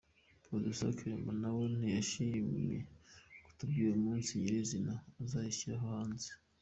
Producer Cheetah nawe ntiyashimye kutubwira umunsi nyir’izina azayishyirira hanze.